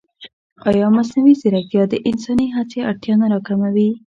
ایا مصنوعي ځیرکتیا د انساني هڅې اړتیا نه راکموي؟